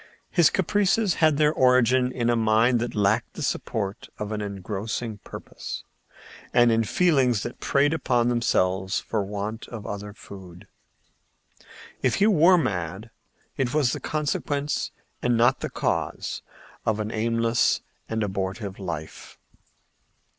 His caprices had their origin in a mind that lacked the support of an engrossing purpose, and in feelings that preyed upon themselves for want of other food. If he were mad, it was the consequence, and not the cause, of an aimless and abortive life.